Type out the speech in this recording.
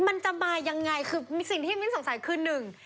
มันจะมายังไงคือสิ่งที่มิ้นสงสัยคือหนึ่ง